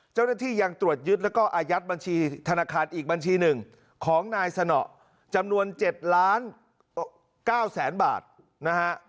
เจ้าหน้าที่ยังตรวจยึดแล้วก็อายัดบัญชีธนาคารอีกบัญชีหนึ่งของนายสนอจำนวน๗ล้าน๙แสนบาทนะฮะ